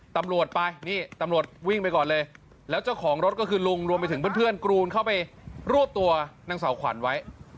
ตำรวจไปนี่ตำรวจวิ่งไปก่อนเลยแล้วเจ้าของรถก็คือลุงรวมไปถึงเพื่อนกรูนเข้าไปรวบตัวนางสาวขวัญไว้